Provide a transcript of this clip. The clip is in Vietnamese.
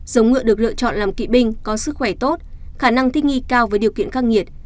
giống ngựa được lựa chọn làm kỵ binh có sức khỏe tốt khả năng thích nghi cao với điều kiện khắc nghiệt